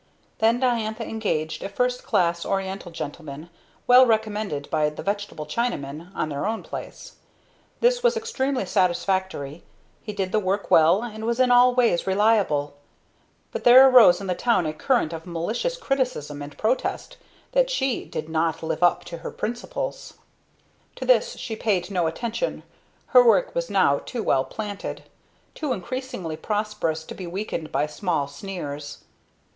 Then Diantha engaged a first class Oriental gentleman, well recommended by the "vegetable Chinaman," on their own place. This was extremely satisfactory; he did the work well, and was in all ways reliable; but there arose in the town a current of malicious criticism and protest that she "did not live up to her principles." To this she paid no attention; her work was now too well planted, too increasingly prosperous to be weakened by small sneers.